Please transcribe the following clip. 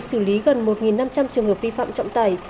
xử lý gần một năm trăm linh trường hợp vi phạm trọng tải